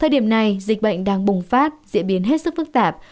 thời điểm này dịch bệnh đang bùng phát diễn biến hết sức phức tạp